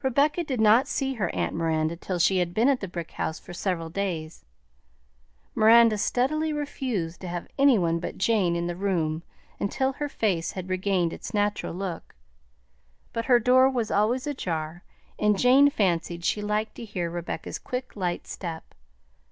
Rebecca did not see her aunt Miranda till she had been at the brick house for several days. Miranda steadily refused to have any one but Jane in the room until her face had regained its natural look, but her door was always ajar, and Jane fancied she liked to hear Rebecca's quick, light step.